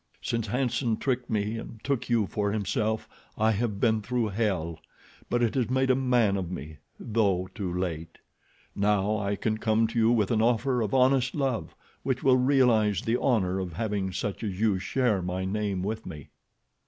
Since Hanson tricked me and took you for himself I have been through hell; but it has made a man of me, though too late. Now I can come to you with an offer of honest love, which will realize the honor of having such as you share my name with me."